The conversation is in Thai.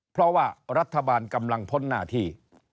เพราะว่ารัฐบาลกำลังพ้นหน้าที่